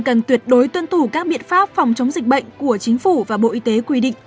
cần tuyệt đối tuân thủ các biện pháp phòng chống dịch bệnh của chính phủ và bộ y tế quy định